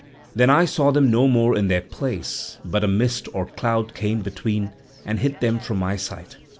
Then I saw them no more in their place, but a mist or cloud came between and hid them from my sight."